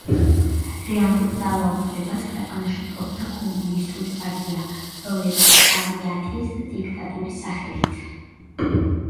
რეალურ ძალაუფლებას ქვეყანაში ფლობდა კომუნისტური პარტია, პროლეტარიატის დიქტატურის სახელით.